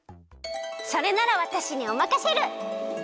それならわたしにおまかシェル！